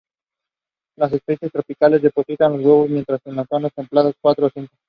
Las especies tropicales depositan dos huevos mientras las de zonas templadas cuatro o cinco.